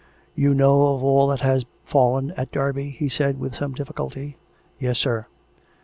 " You know of all that has fallen at Derby? " he said, with some difficulty. " Yes, sir."